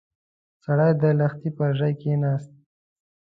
سړی د لښتي پر ژۍ کېناست.